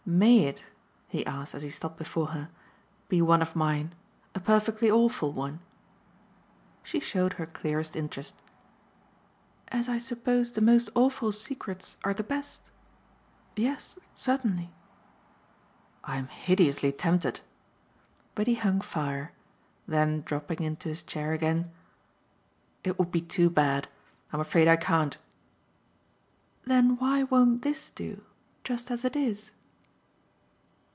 MAY it," he asked as he stopped before her, "be one of mine a perfectly awful one?" She showed her clearest interest. "As I suppose the most awful secrets are the best yes, certainly." "I'm hideously tempted." But he hung fire; then dropping into his chair again: "It would be too bad. I'm afraid I can't." "Then why won't THIS do, just as it is?"